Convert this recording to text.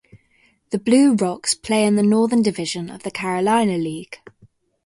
The Blue Rocks play in the Northern Division of the Carolina League.